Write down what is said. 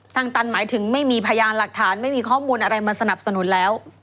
ทางตันหมายถึงไม่มีพยานหลักฐานไม่มีข้อมูลอะไรมาสนับสนุนแล้ว